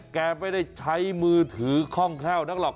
แกไม่ได้ใช้มือถือข้องแค่นั้นหรอก